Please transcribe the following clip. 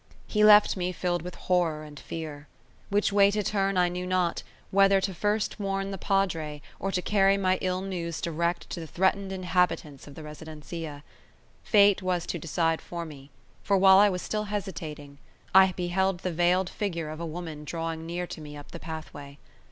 He left me filled with horror and fear. Which way to turn I knew not; whether first to warn the Padre, or to carry my ill news direct to the threatened inhabitants of the residencia. Fate was to decide for me; for, while I was still hesitating, I beheld the veiled figure of a woman drawing near to me up the pathway.